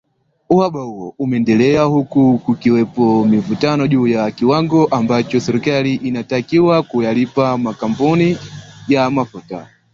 Uhaba huo umeendelea huku kukiwepo mivutano juu ya kiwango ambacho serikali inatakiwa kuyalipa makampuni ya mafuta